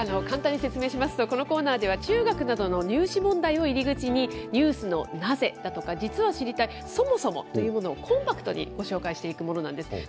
簡単に説明しますと、このコーナーでは、中学などの入試問題を入り口に、ニュースのなぜだとか、実は知りたい、そもそもというものをコンパクトにご紹介していくものなんです。